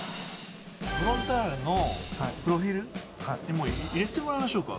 フロンターレのプロフィールに入れてもらいましょうか。